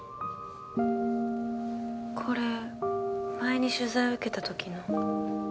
これ前に取材受けたときの。